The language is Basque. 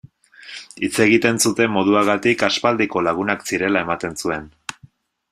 Hitz egiten zuten moduagatik aspaldiko lagunak zirela ematen zuen.